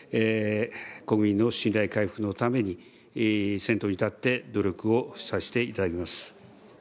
国民の信頼回復のために、先頭に立って努力をさせていただきます。